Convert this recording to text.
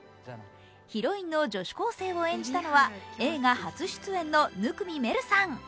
ヒロインの女子高生を演じたのは映画初出演の生見愛瑠さん。